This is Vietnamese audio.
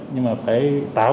nhưng mà phải tạo ra